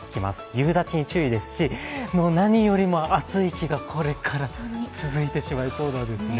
夕立に注意ですし、何よりも暑い日がこれから続いてしまいそうなんですね。